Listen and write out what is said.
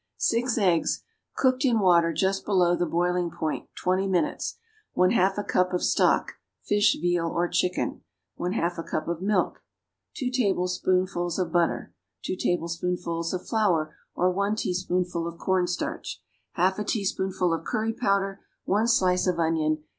6 eggs, cooked, in water just below the boiling point, 20 minutes. 1/2 a cup of stock (fish, veal or chicken). 1/2 a cup of milk. 2 tablespoonfuls of butter. 2 tablespoonfuls of flour, or 1 teaspoonful of cornstarch. 1/2 a teaspoonful of curry powder. 1 slice of onion.